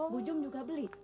bu jum juga beli